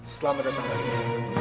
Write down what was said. selamat datang raden